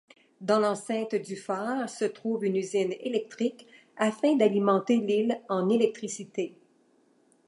Dans l'enceinte du phare se trouve une usine électrique afin d'alimenter l'île en électricité.